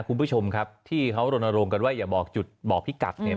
คุณผู้ชมครับที่เขารณรงค์กันว่าอย่าบอกจุดบอกพิกัดเนี่ย